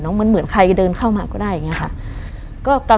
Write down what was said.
มันเหมือนใครเดินเข้ามาก็ได้อย่างนี้ค่ะ